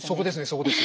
そこです